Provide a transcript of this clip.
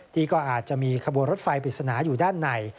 ที่ก็อาจจะมีขบวนรถไฟปริศนาอยู่ด้านใน